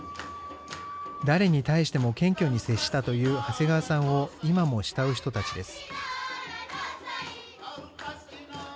誰に対しても謙虚に接したという長谷川さんを今も慕う人たちです。